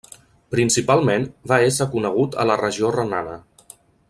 Principalment, va ésser conegut a la regió renana.